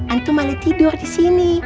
antum malah tidur disini